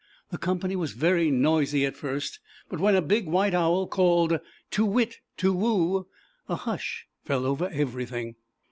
The company was very noisy at first, but when a big white Owl called a hush fell over everytng.